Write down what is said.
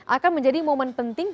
akan menjadi momen penting